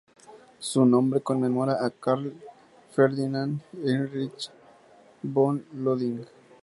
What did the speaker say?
Su nombre conmemora a Carl Ferdinand Heinrich von Ludwig.